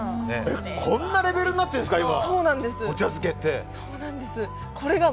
こんなレベルになってるんですか、今。